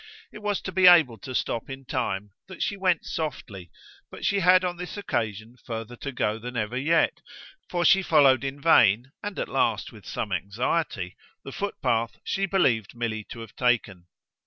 It was to be able to stop in time that she went softly, but she had on this occasion further to go than ever yet, for she followed in vain, and at last with some anxiety, the footpath she believed Milly to have taken.